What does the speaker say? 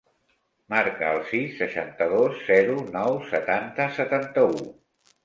Marca el sis, seixanta-dos, zero, nou, setanta, setanta-u.